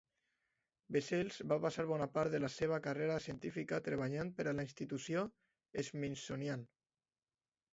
Bessels va passar bona part de la seva carrera científica treballant per a la institució Smithsonian.